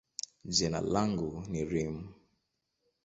jina langu ni Reem.